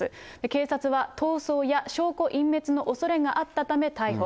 警察は、逃走や証拠隠滅のおそれがあったため逮捕。